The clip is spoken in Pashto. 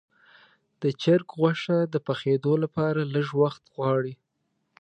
د چرګ غوښه د پخېدو لپاره لږ وخت غواړي.